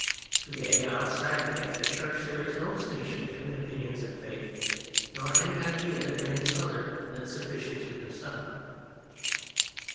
Today, outside the Catholic Church, there is no distinction between opinion and faith nor any idea that man is other than sufficient to himself.